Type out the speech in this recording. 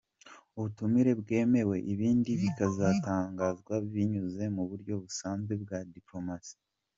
Ubutumire bwemewe, ibindi bikazatangazwa binyuze mu buryo busanzwe bwa dipolomasi.